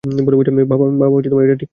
বাবা, এটা ঠিক না।